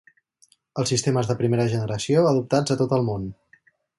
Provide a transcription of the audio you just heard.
Els sistemes de Primera Generació adoptats a tot el món.